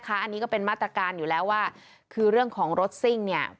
อันนี้ก็เป็นมาตรการอยู่แล้วว่าคือเรื่องของรถซิ่งเนี่ย